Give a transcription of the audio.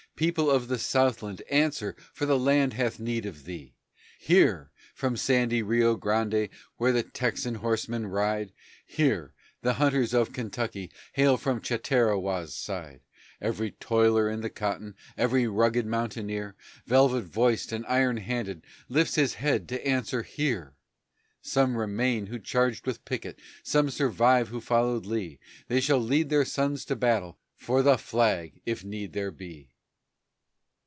People of the Southland, answer! For the land hath need of thee." "Here!" from sandy Rio Grande, Where the Texan horsemen ride; "Here!" the hunters of Kentucky Hail from Chatterawah's side; Every toiler in the cotton, Every rugged mountaineer, Velvet voiced and iron handed, Lifts his head to answer, "Here! Some remain who charged with Pickett, Some survive who followed Lee; They shall lead their sons to battle For the flag, if need there be."